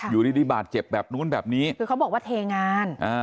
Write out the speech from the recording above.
อยู่ดีบาดเจ็บแบบนู้นแบบนี้คือเขาบอกว่าเทงาน